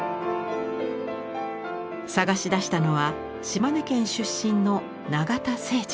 探し出したのは島根県出身の永田生慈。